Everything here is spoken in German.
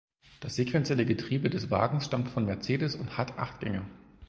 Das sequentielle Getriebe des Wagens stammt von Mercedes und hat acht Gänge.